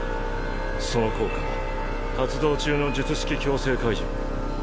その効果発動中の術式強制解除。